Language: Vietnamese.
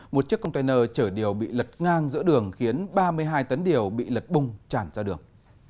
một chiếc container chở điều bị lật ngang giữa đường khiến ba mươi hai tấn điều bị lật bùng tràn ra đường